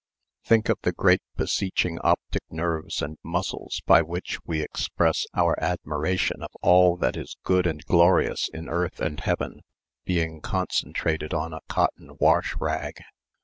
Think of the great beseeching optic nerves and muscles by which we express our admiration of all that is good and glorious in earth and heaven, being concentrated on a cotton wash rag!